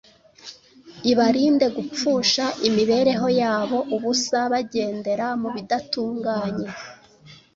ibarinde gupfusha imibereho yabo ubusa bagendera mu bidatunganye.